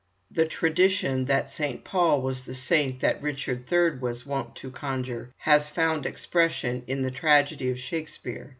The tradition that St. Paul was the saint that Richard III. was wont to conjure with, has found expression in the tragedy of Shakespeare.